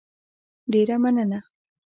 ډېره مننه